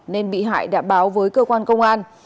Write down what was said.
nên bị hại đã báo với cơ quan công an